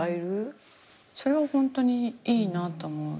それはホントにいいなと思う。